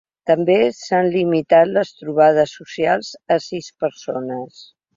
També s’han limitat les trobades socials a sis persones.